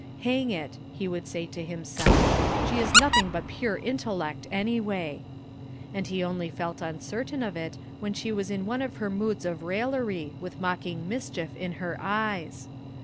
Hang it, he would say to himself, she is nothing but pure intellect anyway. And he only felt uncertain of it when she was in one of her moods of raillery, with mocking mischief in her eyes.